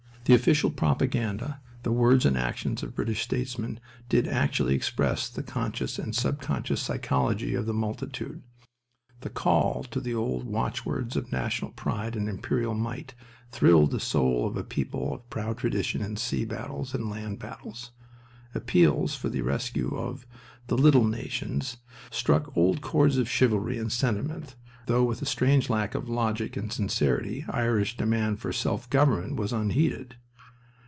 The official propaganda, the words and actions of British statesmen, did actually express the conscious and subconscious psychology of the multitude. The call to the old watchwords of national pride and imperial might thrilled the soul of a people of proud tradition in sea battles and land battles. Appeals for the rescue of "the little nations" struck old chords of chivalry and sentiment though with a strange lack of logic and sincerity Irish demand for self government was unheeded.